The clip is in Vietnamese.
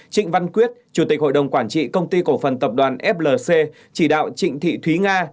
trịnh văn quyết chủ tịch hội đồng quản trị công ty cổ phần tập đoàn flc chỉ đạo trịnh thị thúy nga